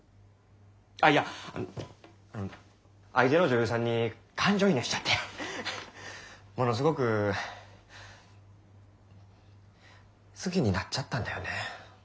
ああいや相手の女優さんに感情移入しちゃってものすごく好きになっちゃったんだよね。